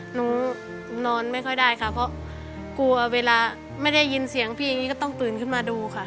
นอนไม่ค่อยได้ค่ะเพราะกลัวเวลาไม่ได้ยินเสียงพี่อย่างนี้ก็ต้องตื่นขึ้นมาดูค่ะ